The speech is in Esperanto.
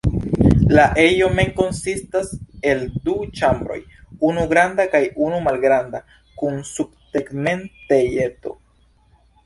La ejo mem konsistas el du ĉambroj, unu granda kaj unu malgranda kun subtegmentejeto.